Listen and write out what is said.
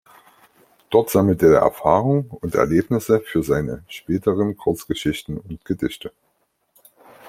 Dort sammelte er Erfahrungen und Erlebnisse für seine späteren Kurzgeschichten und Gedichte.